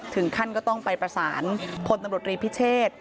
ถึงขั้นก็ต้องไปประสานพลตำรวจรีพิเชษ